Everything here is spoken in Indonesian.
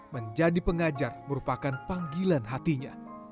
menjadi pengajar merupakan panggilan hatinya